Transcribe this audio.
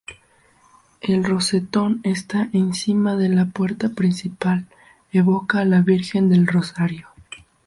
El Rosetón está encima de la puerta principal evoca a la Virgen del Rosario.